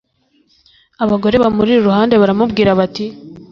abagore bamuri iruhande baramubwira bati